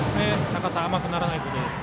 高さが甘くならないことです。